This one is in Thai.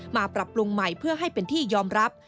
ปรับปรุงใหม่เพื่อให้เป็นที่ยอมรับ